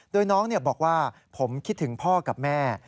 โดยน้องบอกว่าผมคิดถึงพ่อกับแม่